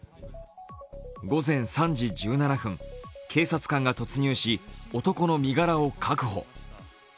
午前３時１７分、警察官が突入し、男の身柄を確保。